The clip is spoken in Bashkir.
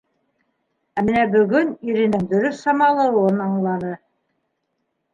Ә бына бөгөн иренең дөрөҫ самалауын аңланы.